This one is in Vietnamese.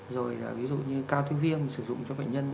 rồi ví dụ như cao thứ viêm sử dụng cho bệnh nhân